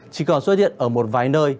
chỉ còn xuất hiện ở một vài nơi